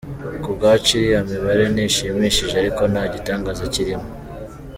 Kubwacu iriya mibare ntishimishije ariko nta gitangaza kirimo.